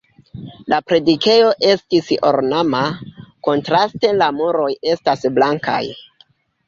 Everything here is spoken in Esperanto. La predikejo estis ornama, kontraste la muroj estas blankaj.